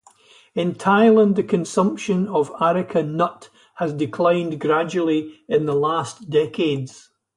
In Thailand, the consumption of areca nut has declined gradually in the last decades.